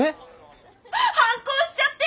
反抗しちゃって！